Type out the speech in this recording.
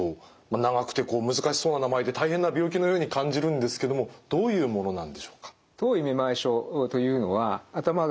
長くてこう難しそうな名前で大変な病気のように感じるんですけどもどういうものなんでしょうか？